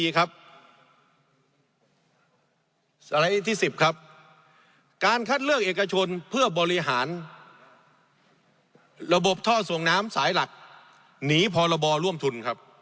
๖การคัดเลือกเอกชนเพื่อบริหารระบบท่อส่งน้ำสายหลักหนีพรบร่วมทุน